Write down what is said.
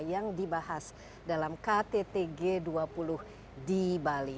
yang dibahas dalam ktt g dua puluh di bali